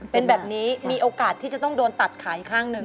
เป็นแบบนี้มีโอกาสที่จะต้องโดนตัดขาอีกข้างหนึ่ง